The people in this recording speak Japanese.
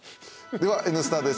では「Ｎスタ」です。